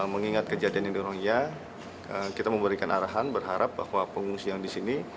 mengingat kejadian yang di rohia kita memberikan arahan berharap bahwa pengungsi yang di sini